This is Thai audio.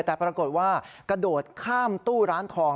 แต่ปรากฏว่ากระโดดข้ามตู้ร้านทอง